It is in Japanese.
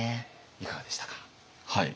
いかがでしたか？